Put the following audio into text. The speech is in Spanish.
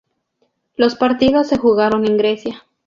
Los partidos se jugaron en Grecia.